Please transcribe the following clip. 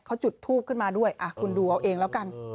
เขาจุดทูบขึ้นมาด้วยคุณดูเอาเองแล้วกัน